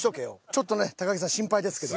ちょっとね木さん心配ですけど。